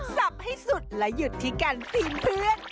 สับให้สุดและหยุดที่แก่นทีมเพื่อน